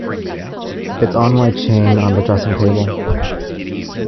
It’s on my chain on the dressing-table.